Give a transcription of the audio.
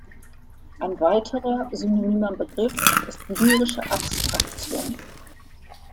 Ein weiterer synonymer Begriff ist Lyrische Abstraktion.